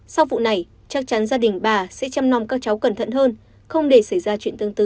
sau vụ này chắc chắn gia đình bà sẽ chăm nong các cháu cẩn thận hơn không để xảy ra chuyện tương tự